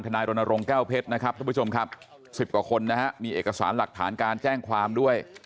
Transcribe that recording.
นายรณรงค์แก้วเพชรนะครับทุกผู้ชมครับ๑๐กว่าคนนะฮะมีเอกสารหลักฐานการแจ้งความด้วย